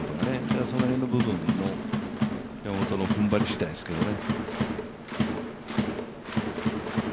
その辺の部分も、山本のふんばりしだいですけどね。